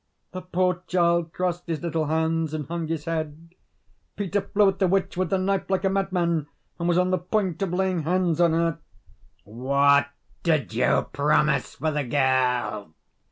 The poor child crossed his little hands, and hung his head. Peter flew at the witch with the knife like a madman, and was on the point of laying hands on her. "What did you promise for the girl?"